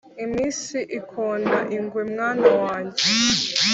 iminsi ikona ingwe mwana wanjye